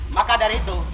maka dari itu